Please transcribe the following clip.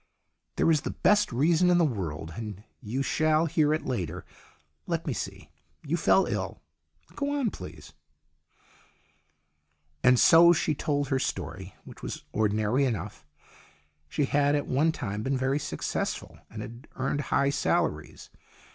"There is the best reason in the world, And 132 STORIES IN GREY you shall hear it later. Let me see. You fell ill. Go on, please." And so she told her story, which was ordinary enough. She had at one time been very successful, and had earned high salaries.